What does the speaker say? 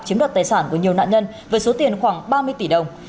chiếm đoạt tài sản của nhiều nạn nhân với số tiền khoảng ba mươi tỷ đồng